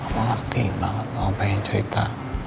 pak ngerti banget kalau pengen cerita